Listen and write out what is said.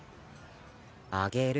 あげる。